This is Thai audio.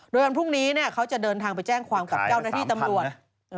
โดยวันพรุ่งนี้เขาจะเดินทางไปแจ้งความกับเจ้าหน้าที่ตำรวจ